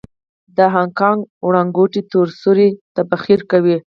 د هاکینګ وړانګوټې تور سوري تبخیر کوي.